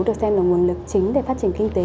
được xem là nguồn lực chính để phát triển kinh tế